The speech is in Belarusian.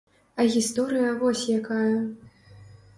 А гісторыя вось якая.